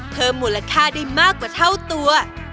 เพิ่มมูลค่าได้มากกว่าเท่าตัว